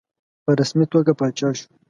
په رسمي توګه پاچا شو.